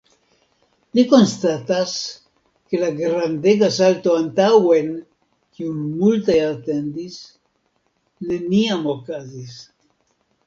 Li konstatas, ke la grandega salto antaŭen, kiun multaj atendis, neniam okazis.